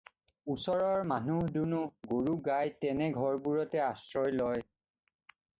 ওচৰৰ মানুহ-দুনুহ গৰু-গাই তেনে ঘৰবোৰতে আশ্ৰয় লয়।